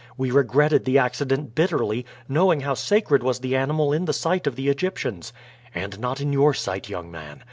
We regretted the accident bitterly, knowing how sacred was the animal in the sight of the Egyptians." "And not in your sight, young man?